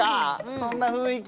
そんな雰囲気。